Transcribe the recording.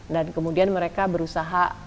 dan kemudian mereka berusaha